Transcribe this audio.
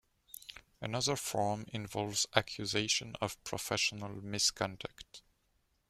Another form involves accusations of professional misconduct.